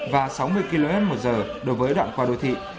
và sáu mươi km một giờ đối với đoạn qua đô thị